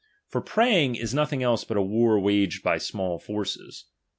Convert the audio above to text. For preying is nothing else but a war ^H wjiged with small forces.